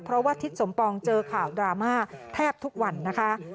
เพราะว่าทิศสมปองเจอข่าวดราม่าแทบทุกวันนะคะ